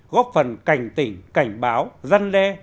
góp phần cảnh tỉnh cảnh báo răn le